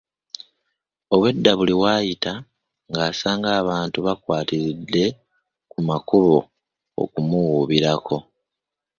Obwedda buli w'ayita ng'asanga abantu bakwatiridde ku makubo okumuwuubirako.